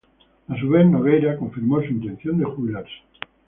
A su vez, Nogueira confirmó su intención de jubilarse.